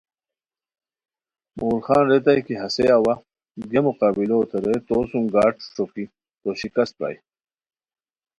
مغل خان ریتائے کی ہسے اوا، گیے مقابلوتے! رے تو سوم گاٹ ݯوکی تو شکست پرائے